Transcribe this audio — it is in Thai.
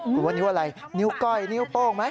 คุณว่านิ้วอะไรนิ้วก้อยนิ้วโป้งไหม